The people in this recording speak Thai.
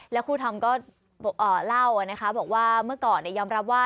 แล้วครูทำก็เล่านะคะบอกว่าเมื่อก่อนยอมรับว่า